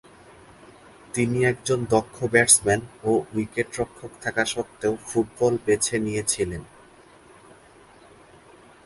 তিনি একজন দক্ষ ব্যাটসম্যান ও উইকেট-রক্ষক থাকা সত্ত্বেও ফুটবল বেছে নিয়েছিলেন।